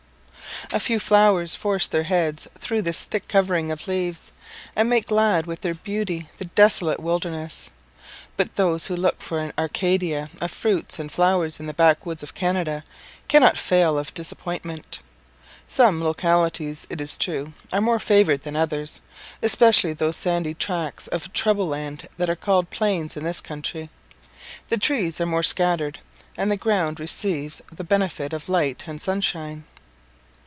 A few flowers force their heads through this thick covering of leaves, and make glad with their beauty the desolate wilderness; but those who look for an Arcadia of fruits and flowers in the Backwoods of Canada cannot fail of disappointment. Some localities, it is true, are more favoured than others, especially those sandy tracts of table land that are called plains in this country; the trees are more scattered, and the ground receives the benefit of light and sunshine.